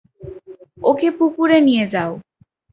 ওকে পুকুরে নিয়ে যাও।